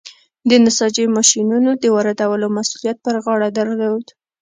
د نساجۍ ماشینونو د واردولو مسوولیت پر غاړه درلود.